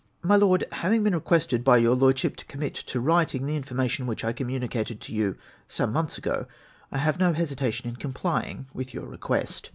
My Lord, — Having been requested by your Lordship to commit to writing the information which I communicated to you some months ago, I have no hesitation in complying with your request.